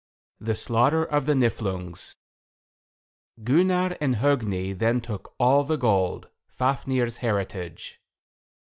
] THE SLAUGHTER OF THE NIFLUNGS. Gunnar and Hogni then took all the gold, Fafnir's heritage.